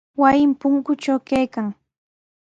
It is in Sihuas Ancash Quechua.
Wasi punkutraw kaykan.